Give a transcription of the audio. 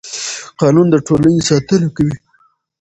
قانون د ټولنې ساتنه کوي